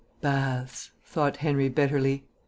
Baths, thought Henry bitterly.